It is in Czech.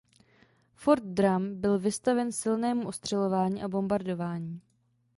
Fort Drum byl vystaven silnému ostřelování a bombardování.